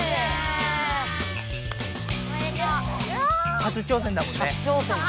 初挑戦だもんね。